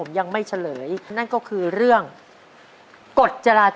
แล้วเราไปยุ่งข้อสุดท้าย